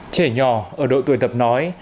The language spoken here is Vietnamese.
trẻ nhỏ ở độ tuổi tập nói